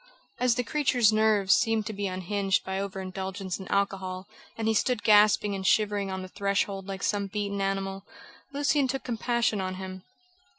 As the creature's nerves seemed to be unhinged by over indulgence in alcohol, and he stood gasping and shivering on the threshold like some beaten animal, Lucian took compassion on him.